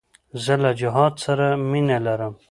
زه له جهاد سره مینه لرم.